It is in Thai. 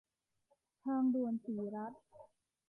ทางด่วนศรีรัช